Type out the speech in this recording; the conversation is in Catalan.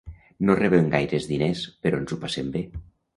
No rebem gaires diners però ens ho passem bé.